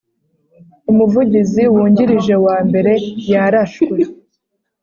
Umuvugizi wungirije wa mbere yarashwe